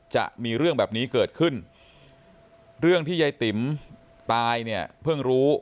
จะมีเรื่องแบบนี้เกิดขึ้นเรื่องที่ยายติ๋มตายเนี่ยเพิ่งรู้